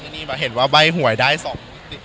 นี่เห็นว่าใบ้หวยได้๒มุติ